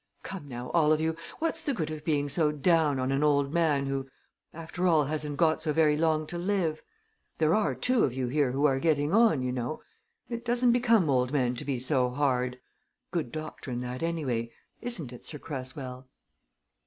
"Come now, all of you, what's the good of being so down on an old man who, after all hasn't got so very long to live? There are two of you here who are getting on, you know it doesn't become old men to be so hard. Good doctrine, that, anyway isn't it, Sir Cresswell?"